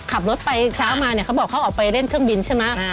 ขับรถไปเช้ามาเนี่ยเขาบอกเขาออกไปเล่นเครื่องบินใช่ไหม